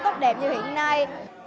thật đẹp như hiện nay